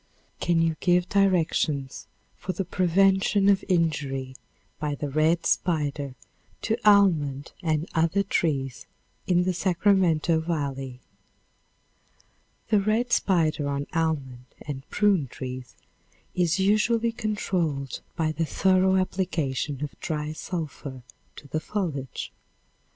Can you give directions for the prevention of injury by the red spider to almond and other trees in the Sacramento volley? The red spider on almond and prune trees is usually controlled by the thorough application of dry sulphur to the foliage.